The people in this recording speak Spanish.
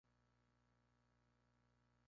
Tiene un tono bajo más profundo y sostenido.